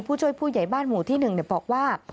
ผู้ช่วยผู้ใหญ่บ้านหมู่ที่๑บอกว่า